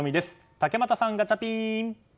竹俣さん、ガチャピン！